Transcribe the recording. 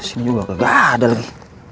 disini juga kagak ada lagi